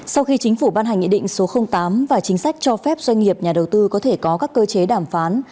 sau khi chính phủ ban hành nghị định số tám và chính sách cho phép doanh nghiệp nhà đầu tư có thể có các cơ chế đàm phán